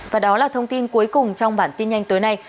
và đó là thông tin cuối cùng trong bản tin nhanh tối nay